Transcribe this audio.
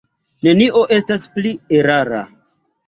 Nenio estas pli erara.